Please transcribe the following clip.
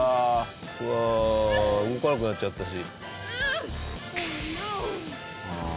うわあ動かなくなっちゃったし。